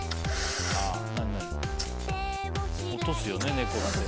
落とすよね猫って。